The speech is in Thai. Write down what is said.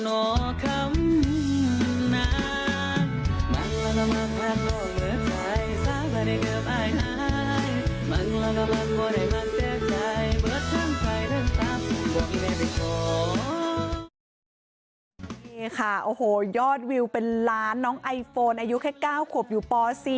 นี่ค่ะโอ้โหยอดวิวเป็นล้านน้องไอโฟนอายุแค่๙ขวบอยู่ป๔